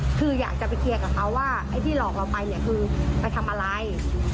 คืออยากจะไปเคลียร์กับเขาว่าไอ้ที่หลอกเราไปเนี่ยคือไปทำอะไร